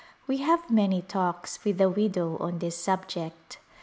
We have many talks with the widow on this subject.